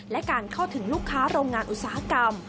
และการเข้าถึงลูกค้าโรงงานอุตสาหกรรม